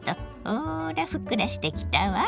ほらふっくらしてきたわ。